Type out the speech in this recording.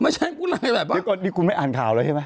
เดี๋ยวก่อนดีคุณไม่อ่านข่าวเลยใช่ไหม